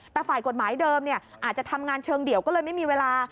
แต่ฝ่ายกฎหมายเดิมอาจจะทำงานเชิงเดี่ยวก็เลยไม่มีเวลา